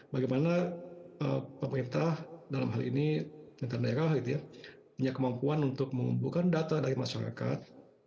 bagaimana pemerintah dalam hal ini pemerintah daerah punya kemampuan untuk mengumpulkan data dari masyarakat